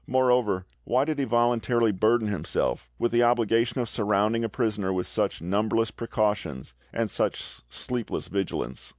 Moreover, why did he voluntarily burden himself with the obligation of surrounding a prisoner with such numberless precautions and such sleepless vigilance?